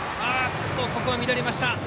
ここは守備が乱れました。